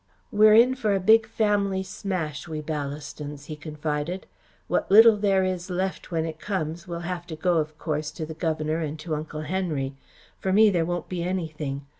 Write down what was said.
"We're in for a big family smash, we Ballastons," he confided. "What little there is left when it comes will have to go, of course, to the governor and to Uncle Henry. For me there won't be anything.